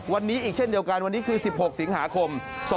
วันนี้อีกเช่นเดียวกันวันนี้คือ๑๖สิงหาคม๒๕๖